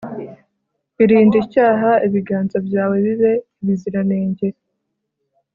irinde icyaha, ibiganza byawe bibe ibiziranenge